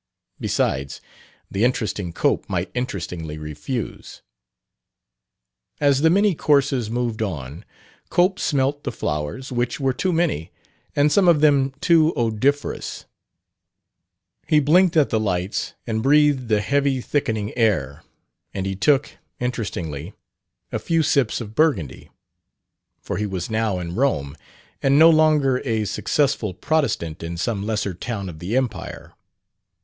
Besides, the interesting Cope might interestingly refuse! As the many courses moved on, Cope smelt the flowers, which were too many, and some of them too odoriferous; he blinked at the lights and breathed the heavy thickening air; and he took interestingly a few sips of burgundy, for he was now in Rome, and no longer a successful Protestant in some lesser town of the empire.